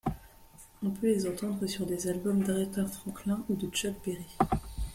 On peut les entendre sur des albums d'Aretha Franklin ou de Chuck Berry.